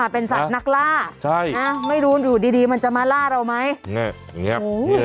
เป็นสัตว์นักล่าใช่นะไม่รู้อยู่ดีมันจะมาล่าเราไหม